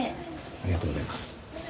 ありがとうございます。